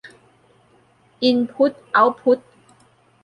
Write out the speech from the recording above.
อินพุตเอาต์พุต